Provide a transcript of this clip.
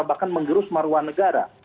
bahkan menggerus maruah negara